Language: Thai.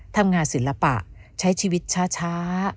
ทำงานศิลปะใช้ชีวิตช้า